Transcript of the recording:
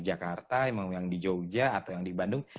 yogyakarta atau yang di bandung